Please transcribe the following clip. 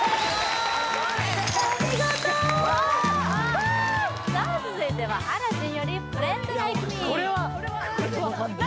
お見事さあ続いては「アラジン」より「フレンド・ライク・ミー」